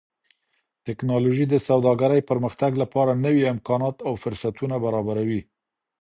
ټکنالوژي د سوداګرۍ پرمختګ لپاره نوي امکانات او فرصتونه برابروي.